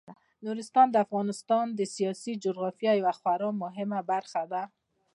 نورستان د افغانستان د سیاسي جغرافیې یوه خورا مهمه برخه ده.